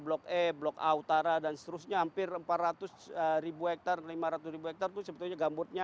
blok blok autara dan seterusnya hampir empat ratus hektare lima ratus hektare itu sebetulnya gambutnya